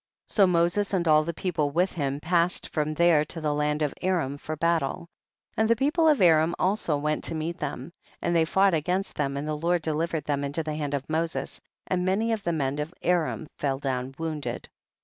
44. So Moses and all the people with him passed from there to the land of Aram for battle. 45. And the people of Aram also went to meet them, and they fought against them, and the Lord delivered them into the hand of Moses, and many of the men of Aram fell down wounded.